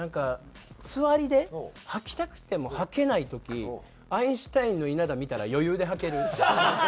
「つわりで吐きたくても吐けない時アインシュタインの稲田見たら余裕で吐ける」。